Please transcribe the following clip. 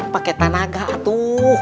pakai tanaga atu